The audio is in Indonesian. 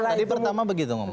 tadi pertama begitu ngomong